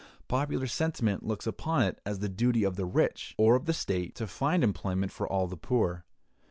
Popular sentiment looks upon it as the duty of the rich, or of the state, to find employment for all the poor.